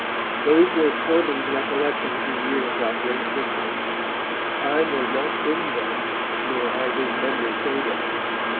Those were Corbin's recollections the year of that great victory. Time has not dimmed them, nor has his memory faded.